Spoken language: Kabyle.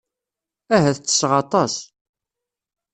Ahat ttesseɣ aṭas.